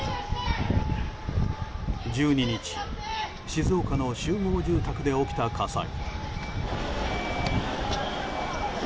１２日静岡の集合住宅で起きた火災。